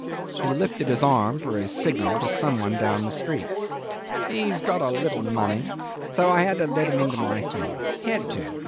He lifted his arm for a signal to some one down the street. "He's got a little money, so I had to let him into my thing. Had to!